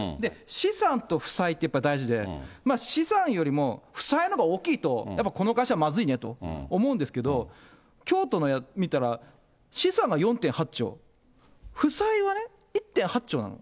資産と負債ってやっぱり大事で、資産よりも負債のほうが大きいと、やっぱりこの会社はまずいねと思うんですけど、京都の見たら、資産が４．８兆、負債はね、１．８兆なの。